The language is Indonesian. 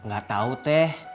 ga tau teh